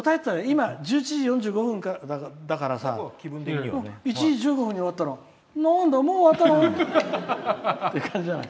今、１１時４５分からだから１時１５分に終わったら「なんだ、もう終わったの！」って感じじゃない。